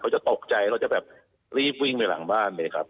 จะตกใจเขาจะแบบรีบวิ่งไปหลังบ้านเลยครับ